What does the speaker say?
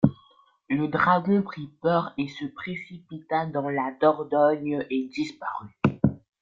Le dragon prit peur et se précipita dans la Dordogne et disparut.